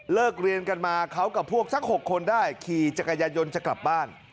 เรียนกันมาเขากับพวกสัก๖คนได้ขี่จักรยานยนต์จะกลับบ้าน